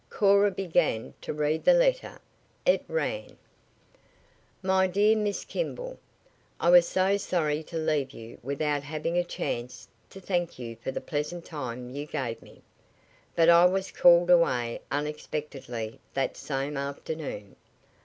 Cora began to read the letter. It ran: "MY DEAR MISS KIMBALL: I was so sorry to leave you without having a chance to thank you for the pleasant time you gave me, but I was called away unexpectedly that same afternoon.